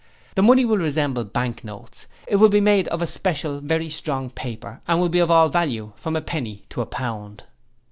The money will resemble bank notes. It will be made of a special very strong paper, and will be of all value, from a penny to a pound.